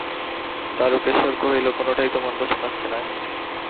দারুকেশ্বর কহিল, কোনোটাই তো মন্দ শোনাচ্ছে না হে।